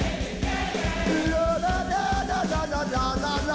ラララララララララ！